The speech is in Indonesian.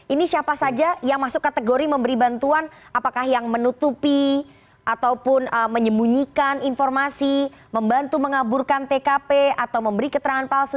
ini siapa saja yang masuk kategori memberi bantuan apakah yang menutupi ataupun menyembunyikan informasi membantu mengaburkan tkp atau memberi keterangan palsu